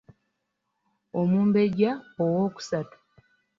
Omumbejja owookusatu.